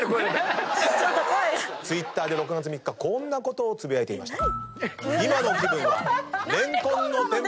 Ｔｗｉｔｔｅｒで６月３日こんなことをつぶやいていました。